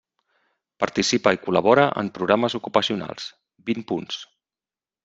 Participa i col·labora en programes ocupacionals, vint punts.